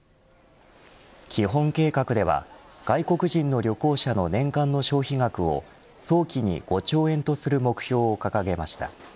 基本計画では外国人の旅行者の年間の消費額を早期に５兆円とする目標を掲げました。